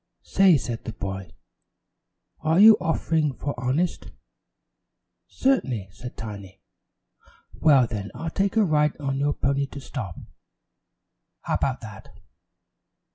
"Say," said the boy, "are you offering for honest?" "Certainly," said Tiny. "Well, then, I'll take a ride on your pony to stop. How about that?"